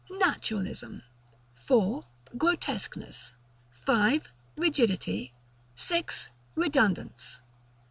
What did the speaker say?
Naturalism. 4. Grotesqueness. 5. Rigidity. 6. Redundance.